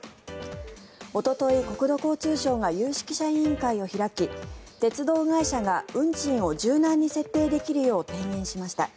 おととい、国土交通省が有識者委員会を開き鉄道会社が運賃を柔軟に設定できるよう提言しました。